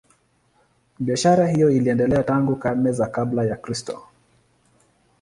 Biashara hiyo iliendelea tangu karne za kabla ya Kristo.